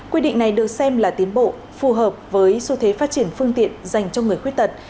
quy định này được xem là tiến bộ phù hợp với xu thế phát triển phương tiện dành cho người khuyết tật